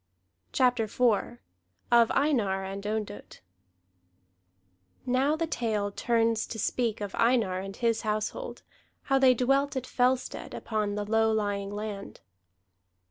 CHAPTER IV OF EINAR AND ONDOTT Now the tale turns to speak of Einar and his household, how they dwelt at Fellstead, upon the low lying land.